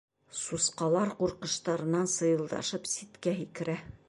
Сусҡалар ҡурҡыштарынан сыйылдашып ситкә һикерә.